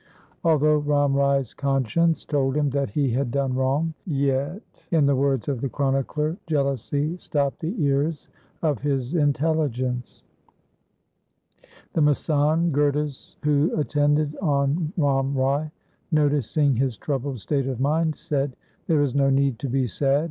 Although Ram Rai's conscience told him that he had done wrong, yet, in the words of the chronicler, jealousy stopped the ears of his intelligence. 316 THE SIKH RELIGION The masand Gurdas who attended on Ram Rai, noticing his troubled state of mind said, ' There is no need to be sad.